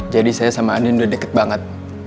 jadi saya sama andin udah deket banget